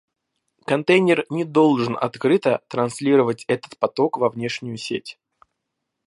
Контейнер не должен открыто транслировать этот поток во внешнюю сеть